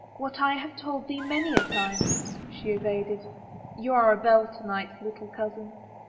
" What I have told thee many a time," she evaded. " You are a belle to night, little cousin."